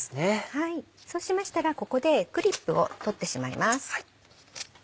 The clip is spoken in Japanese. そうしましたらここでクリップを取ってしまいます。